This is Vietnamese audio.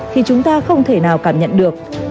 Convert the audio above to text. thì chúng ta không thể nào cảm nhận được